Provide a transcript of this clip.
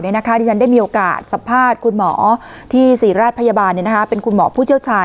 ที่ฉันได้มีโอกาสสัมภาษณ์คุณหมอที่ศรีราชพยาบาลเป็นคุณหมอผู้เชี่ยวชาญ